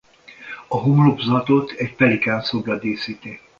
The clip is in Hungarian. A homlokzatot egy pelikán szobra díszíti.